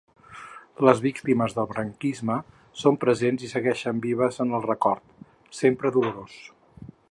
Les víctimes del franquisme son presents i segueixen vives en el record, sempre dolorós.